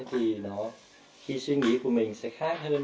thì khi suy nghĩ của mình sẽ khác hơn